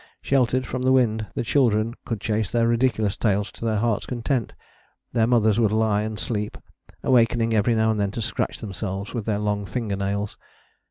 Sheltered from the wind the children could chase their ridiculous tails to their hearts' content: their mothers would lie and sleep, awakening every now and then to scratch themselves with their long finger nails.